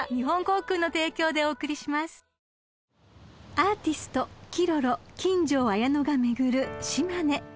［アーティストＫｉｒｏｒｏ金城綾乃が巡る島根］